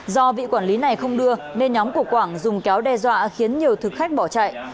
do vị quản lý này không đưa nên nhóm của quảng dùng kéo đe dọa khiến nhiều thực khách bỏ chạy